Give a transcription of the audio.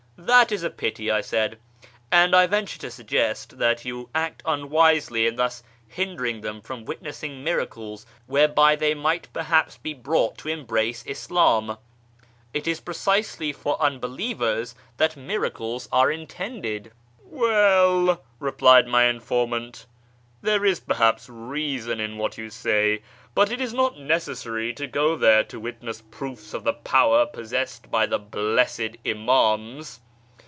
" That is a pity," I said ;" and I venture to suggest that you act unwisely in tlius hindering them from witnessing miracles whereby they might perhaps be brought to embrace Ish'im. It is precisely for unbelievers that miracles are intended." " Well," replied my informant, " there is perhaps reason in what you say. But it is not necessary to go there to witness proofs of the power possessed by the blessed Imams.